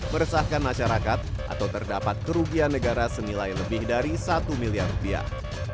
meresahkan masyarakat atau terdapat kerugian negara senilai lebih dari satu miliar rupiah